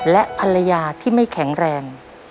และภรรยาที่ไม่แข็งแรง